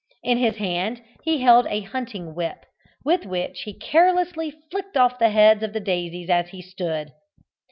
In his hand he held a hunting whip, with which he carelessly flicked off the heads of the daisies as he stood.